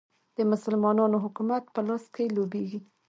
د مسلمانانو حکومت په لاس کې لوبیږي.